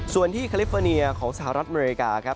ส่วนที่คาลิฟเฟอร์เนียของสหรัฐอเมริกาครับ